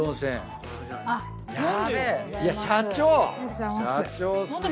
社長！